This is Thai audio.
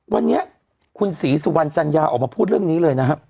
วันนี้คุณศรีสุวรรณจัญญาออกมาพูดเรื่องนี้เลยนะครับ